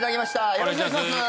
よろしくお願いします。